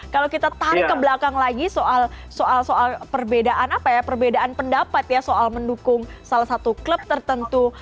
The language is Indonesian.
kalau kita tarik ke belakang lagi soal perbedaan pendapat ya soal mendukung salah satu klub tertentu